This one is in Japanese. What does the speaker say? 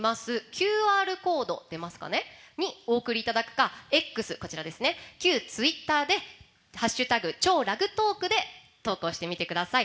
ＱＲコードにお送りいただくかＸ、旧ツイッターで「＃超ラグトーク」で投稿してみてください。